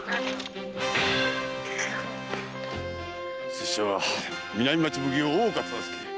拙者は南町奉行・大岡忠相。